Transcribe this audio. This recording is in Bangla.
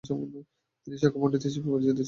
তিনি সাক্য পণ্ডিত হিসেবে পরিচিত ছিলেন।